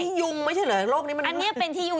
ยุงไม่ใช่เหรอโรคนี้มันอันนี้เป็นที่ยุง